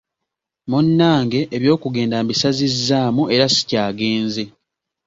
Munnange eby'okugenda mbisazizzaamu era sikyagenze.